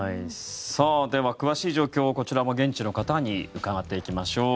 では詳しい状況をこちらも現地の方に伺っていきましょう。